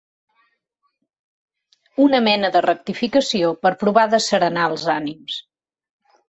Una mena de rectificació per provar d’asserenar els ànims.